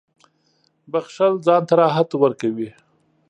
• بښل ځان ته راحت ورکوي.